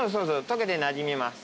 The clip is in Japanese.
溶けてなじみます。